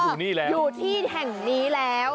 อยู่ที่แห่งนี้แล้ว